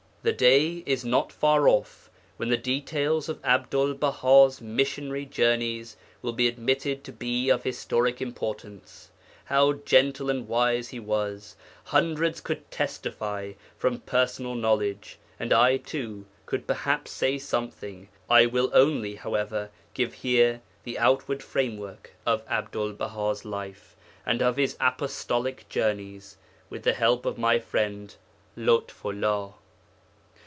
The day is not far off when the details of Abdul Baha's missionary journeys will be admitted to be of historical importance. How gentle and wise he was, hundreds could testify from personal knowledge, and I too could perhaps say something I will only, however, give here the outward framework of Abdul Baha's life, and of his apostolic journeys, with the help of my friend Lotfullah.